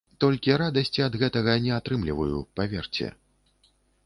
Толькі радасці ад гэтага не атрымліваю, паверце.